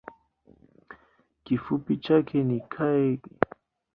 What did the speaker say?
Kifupi chake ni kg.